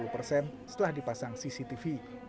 dua puluh persen setelah dipasang cctv